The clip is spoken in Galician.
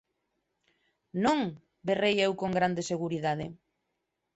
Non! –berrei eu con grande seguridade.